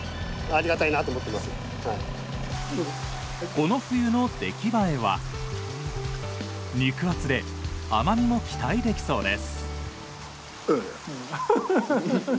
この冬の出来栄えは肉厚で甘みも期待できそうです。